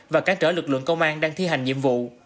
và cản trở lực lượng công an đang thi hành nhiệm vụ